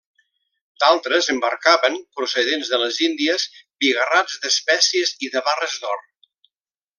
D'altres embarcaven, procedents de les Índies, bigarrats d'espècies i de barres d'or.